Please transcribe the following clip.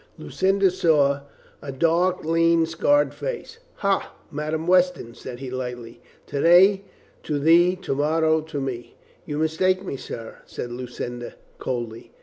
Lucinda saw a dark, lean, scarred face. "Ha, Madame Weston," says he lightly. "To day to thee, to morrow to me." "You mistake me, sir," said Lucinda coldly.